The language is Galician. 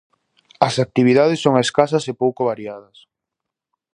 As actividades son escasas e pouco variadas.